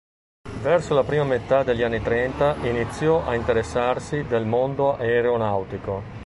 Verso la prima metà degli anni trenta iniziò a interessarsi del mondo aeronautico.